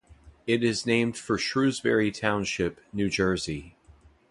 It is named for Shrewsbury Township, New Jersey.